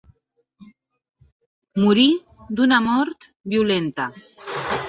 Morí d'una mort violenta.